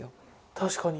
確かに。